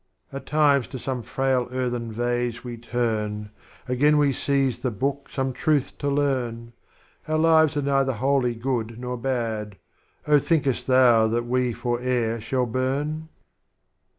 At times to some frail earthen Vase we turn. Again we seize the Book some Truth to Learn; Our Lives are neither wholly Good nor Bad, Oh thinkest Thou that we fore'er shall burn?